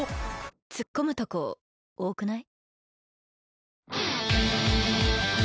つっこむとこ多くない？